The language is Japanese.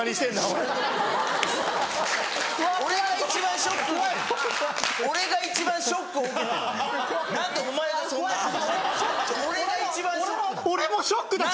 俺が一番ショックだ。